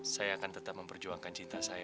saya akan tetap memperjuangkan cinta saya